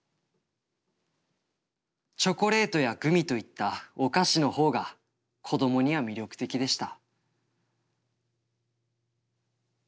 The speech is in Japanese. チョコレートやグミといったお菓子のほうが子供には魅力的でした」。